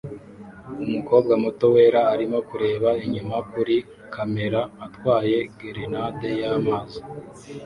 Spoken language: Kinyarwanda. Umukobwa muto wera arimo kureba inyuma kuri kamera atwaye grenade y'amazi